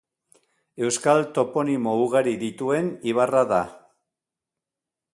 Euskal toponimo ugari dituen ibarra da.